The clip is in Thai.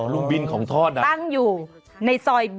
ลุงบินของทอดนะ